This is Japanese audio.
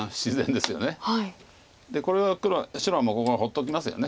でこれは白はもうここ放っときますよね。